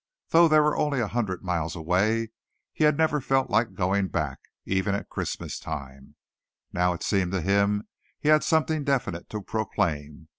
Though they were only a hundred miles away, he had never felt like going back, even at Christmas. Now it seemed to him he had something definite to proclaim.